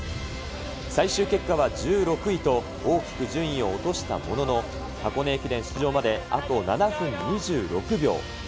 最終結果は１６位と大きく順位を落としたものの、箱根駅伝出場まであと７分２６秒。